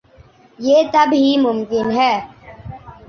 یہ تب ہی ممکن ہے۔